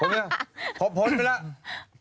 ผมเนี่ยพบพสไปแล้ว